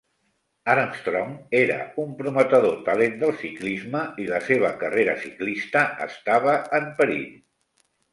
Armstrong era un prometedor talent del ciclisme i la seva carrera ciclista estava en perill.